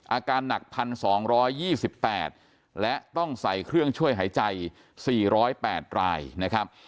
อาการหนัก๑๒๒๘และต้องใส่เครื่องช่วยหายใจ๔๐๘รายนะครับ